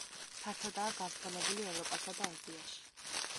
ფართოდაა გავრცელებული ევროპასა და აზიაში.